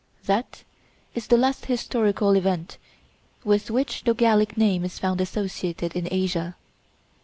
That is the last historical event with which the Gallic name is found associated in Asia.